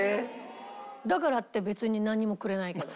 だからって別に何もくれないけど。